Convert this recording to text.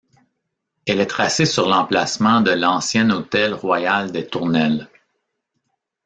Elle est tracée sur l'emplacement de l'ancien hôtel royal des Tournelles.